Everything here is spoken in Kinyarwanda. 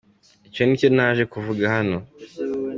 Icyo ni cyo naje kuvuga hano.”